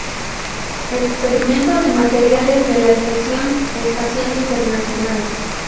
Experimento de materiales de la Estación Espacial Internacional